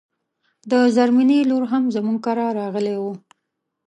د زرمينې لور هم زموږ کره راغلی و